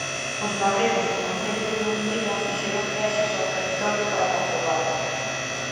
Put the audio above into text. Os labregos do concello de Dumbría fixeron viaxes ao territorio para comprobalo.